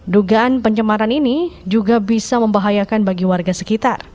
dugaan pencemaran ini juga bisa membahayakan bagi warga sekitar